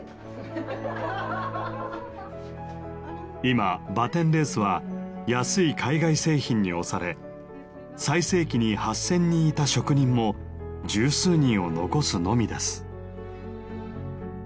今バテンレースは安い海外製品に押され最盛期に８，０００人いた職人も十数人を残すのみです。